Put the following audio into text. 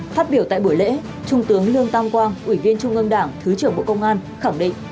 phát biểu tại buổi lễ trung tướng lương tam quang ủy viên trung ương đảng thứ trưởng bộ công an khẳng định